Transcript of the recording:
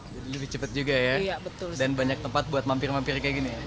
jadi lebih cepat juga ya dan banyak tempat buat mampir mampir kayak gini ya